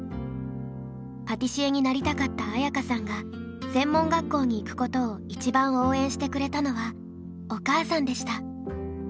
パティシエになりたかった綾華さんが専門学校に行くことを一番応援してくれたのはお母さんでした。